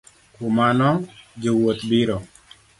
Kuom mano jowuoth biro